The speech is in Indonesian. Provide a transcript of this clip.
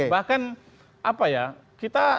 bahkan apa ya kita